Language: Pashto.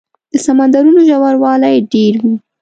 د سمندرونو ژوروالی ډېر وي.